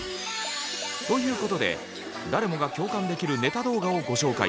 ということで誰もが共感できるネタ動画をご紹介。